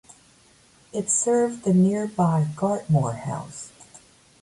It served the nearby Gartmore House.